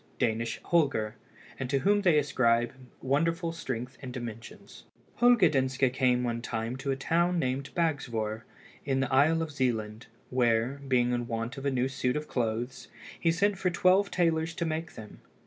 Danish Holger, and to whom they ascribe wonderful strength and dimensions. Holger Danske came one time to a town named Bagsvoer, in the isle of Zealand, where, being in want of a new suit of clothes, he sent for twelve tailors to make them.